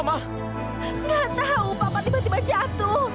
nggak tau papa tiba tiba jatuh